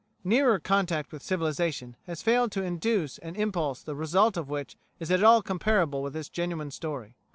Nearer contact with civilisation has failed to induce an impulse the result of which is at all comparable with this genuine story.